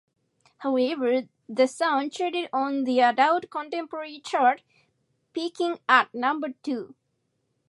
However, the song charted on the Adult Contemporary chart, peaking at number two.